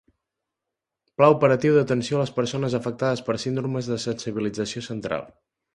Pla operatiu d'atenció a les persones afectades per síndromes de sensibilització central.